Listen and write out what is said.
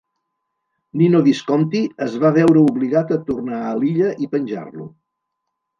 Nino Visconti es va veure obligat a tornar a l'illa i penjar-lo.